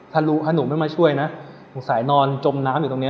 ถ้ารู้ถ้าหนูไม่มาช่วยนะสงสัยนอนจมน้ำอยู่ตรงนี้